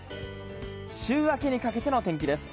週明けにかけての天気です。